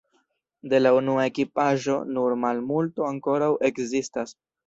De la unua ekipaĵo nur malmulto ankoraŭ ekzistas.